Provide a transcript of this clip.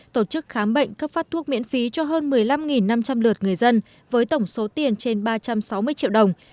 tổ chức khám bệnh cấp phát thuốc miễn phí cho hơn một mươi năm năm trăm linh lượt người dân với tổng số tiền trên ba trăm sáu mươi triệu đồng